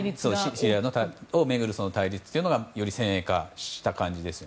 シリアを巡る対立というのがより先鋭化した感じです。